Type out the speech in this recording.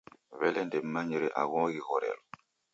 W'ele ndemm'anyire agho ghighorelo